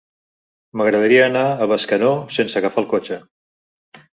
M'agradaria anar a Bescanó sense agafar el cotxe.